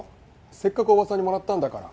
せっかくおばさんにもらったんだから。